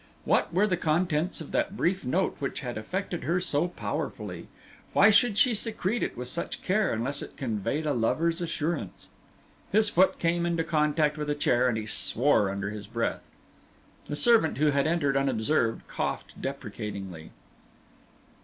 What were the contents of that brief note which had affected her so powerfully? Why should she secrete it with such care unless it conveyed a lover's assurance? His foot came into contact with a chair, and he swore under his breath. The servant, who had entered unobserved, coughed deprecatingly.